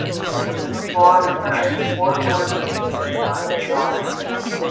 Flora returned to Port Moresby with her son and daughter.